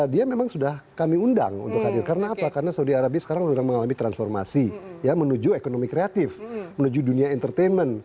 dia memang sudah kami undang untuk hadir karena apa karena saudi arabia sekarang sudah mengalami transformasi menuju ekonomi kreatif menuju dunia entertainment